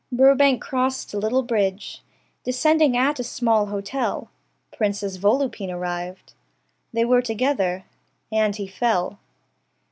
Burbank crossed a little bridge Descending at a small hotel; Princess Volupine arrived, They were together, and he fell.